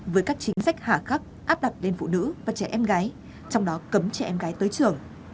với các chính sách hạ khắc áp đặt lên phụ nữ và trẻ em gái trong đó cấm trẻ em gái tới trường